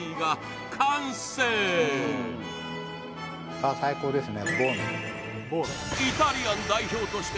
あー、最高ですね。